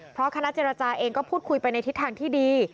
เพราะคณะเจรจาเองก็พูดคุยไปในทิศทางที่ดี